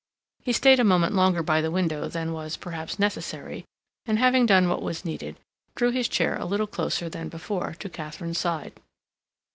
He stayed a moment longer by the window than was, perhaps, necessary, and having done what was needed, drew his chair a little closer than before to Katharine's side.